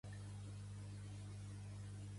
Més ortografia i menys xenofòbia